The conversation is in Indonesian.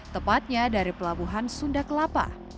tepatnya dari pelabuhan sunda kelapa